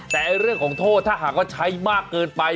แต่เรื่องของโทษถ้าหากว่าใช้มากเกินไป